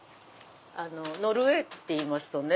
ノルウェーっていいますとね